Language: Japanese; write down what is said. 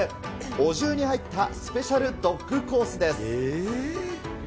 お重に入ったスペシャルドッグコースです。